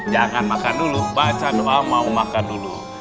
jangan makan dulu baca doa mau makan dulu